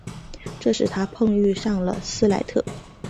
这使他碰遇上了斯莱特。